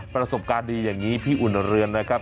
ประสบการณ์ดีอย่างนี้พี่อุ่นเรือนนะครับ